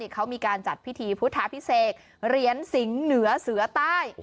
เขามีการจัดพิธีพุทธาพิเศษเหรียญสิงเหนือเสือใต้